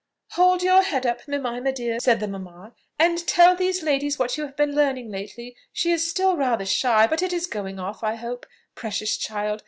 "Hold up your head, Mimima dear!" said the mamma; "and tell these ladies what you have been learning lately. She is still rather shy; but it is going off, I hope. Precious child!